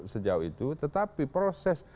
sejauh itu tetapi proses